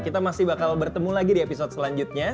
kita masih bakal bertemu lagi di episode selanjutnya